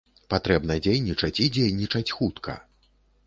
Патрэбна дзейнічаць, і дзейнічаць хутка.